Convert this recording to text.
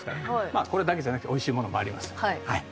まあこれだけじゃなくて美味しいものもあります。